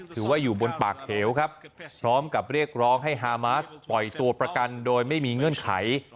อยู่บนปากเหวครับพร้อมกับเรียกร้องให้ฮามาสปล่อยตัวประกันโดยไม่มีเงื่อนไข